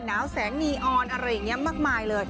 หนาวแสงนีออนอะไรอย่างนี้มากมายเลย